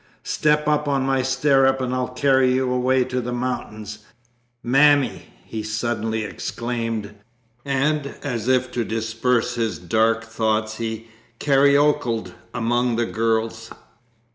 'Step up on my stirrup and I'll carry you away to the mountains. Mammy!' he suddenly exclaimed, and as if to disperse his dark thoughts he caracoled among the girls.